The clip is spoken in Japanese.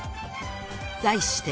［題して］